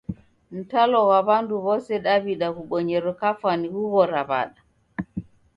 Mtalo ghwa w'andu w'ose daw'ida ghubonyero kafwani ghughora w'ada?